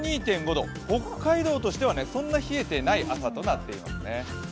北海道としてはそんな冷えていない朝となっていますね。